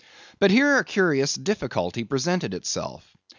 But here a curious difficulty presented itself.